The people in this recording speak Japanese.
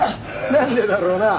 なんでだろうなあ。